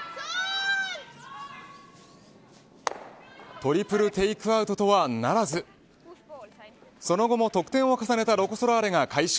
トリプルテークアウトとはならずその後も得点を重ねたロコ・ソラーレが快勝。